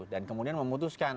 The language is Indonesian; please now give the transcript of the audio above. dan kemudian memutuskan